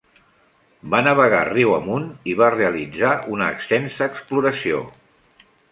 Va navegar riu amunt i va realitzar una extensa exploració.